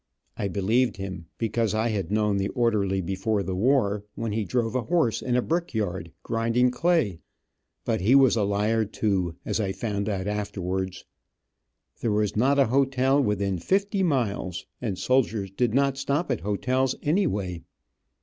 I believed him, because I had known the orderly before the war, when he drove a horse in a brickyard, grinding clay. But he was a liar, too, as I found out afterwards. There was not a hotel within fifty miles, and soldiers did not stop at hotels, anyway.